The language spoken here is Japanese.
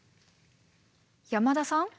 山田さん？